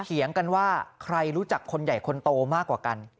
เถียงกันว่าใครรู้จักคนใหญ่คนโตมากกว่ากัน